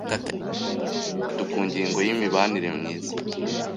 katarengeje interuro eshatu ku ngingo y’imibanire myiza